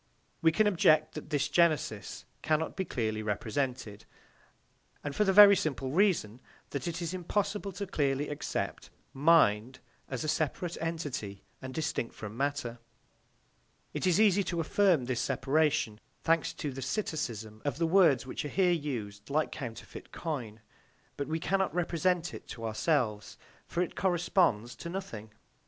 We can object that this genesis cannot be clearly represented, and that for the very simple reason that it is impossible to clearly accept "mind" as a separate entity and distinct from matter. It is easy to affirm this separation, thanks to the psittacism of the words, which are here used like counterfeit coin, but we cannot represent it to ourselves, for it corresponds to nothing.